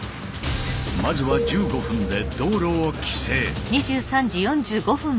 まずは１５分で道路を規制。